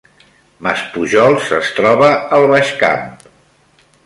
Maspujols es troba al Baix Camp